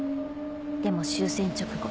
でも終戦直後